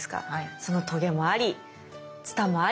そのトゲもありツタもありこう